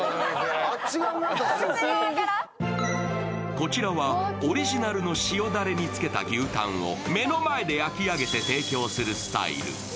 こちらはオリジナルの塩だれにつけた牛たんを目の前で焼き上げて提供するスタイル。